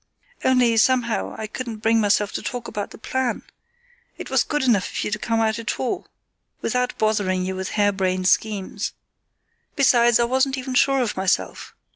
"Only, somehow, I couldn't bring myself to talk about the plan. It was good enough of you to come out at all, without bothering you with hare brained schemes. Beside, I wasn't even sure of myself.